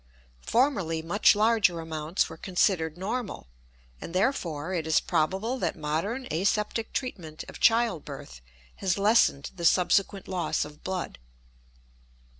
Formerly much larger amounts were considered normal, and, therefore, it is probable that modern aseptic treatment of child birth has lessened the subsequent loss of blood.